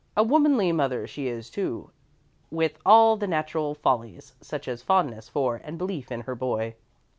A womanly mother she is, too, with all the natural follies, such as fondness for and belief in her boy.